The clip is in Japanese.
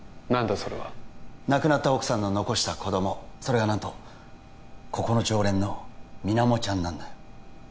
それは亡くなった奥さんの遺した子どもそれが何とここの常連の水面ちゃんなんだよ